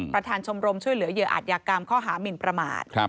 ประธานชมรมช่วยเหลือเหยื่ออาจยากรรมข้อหามินประมาท